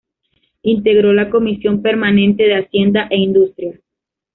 Integró la Comisión permanente de Hacienda e Industria.